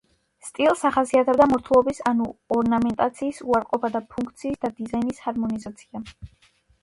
სტილს ახასიათებდა მორთულობის ანუ ორნამენტაციის უარყოფა და ფუნქციის და დიზაინის ჰარმონიზაცია.